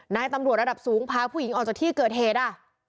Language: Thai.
นายตำรวจระดับสูงพาผู้หญิงออกจากที่เกิดเหตุ